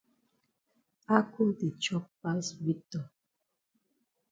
Ako di chop pass Victor.